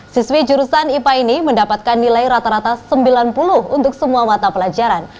siswi jurusan ipa ini mendapatkan nilai rata rata sembilan puluh untuk semua mata pelajaran